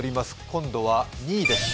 今度は２位です。